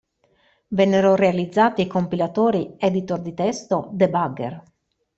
Vennero realizzati compilatori, editor di testo, debugger.